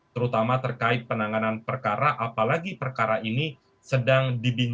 terutama terkait penanganan perkara apalagi perkara ini sedang dibincangkan masif oleh masyarakat